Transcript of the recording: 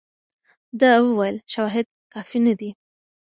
ده وویل شواهد کافي نه دي.